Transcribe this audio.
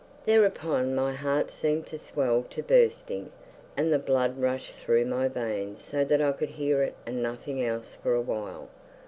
Thereupon my heart seemed to swell to bursting, and the blood rushed through my veins so that I could hear it and nothing else for a while.